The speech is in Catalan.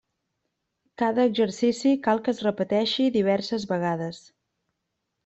Cada exercici cal que es repeteixi diverses vegades.